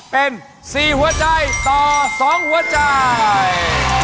เป็น๔หัวใจต่อ๒หัวใจ